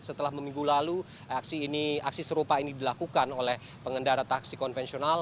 setelah minggu lalu aksi ini aksi serupa ini dilakukan oleh pengendara taksi konvensional